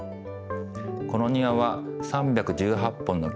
この庭は３１８本の木と１６０